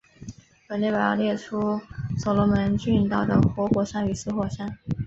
本列表列出所罗门群岛的活火山与死火山。